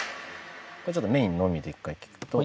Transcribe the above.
これちょっとメインのみで１回聴くと。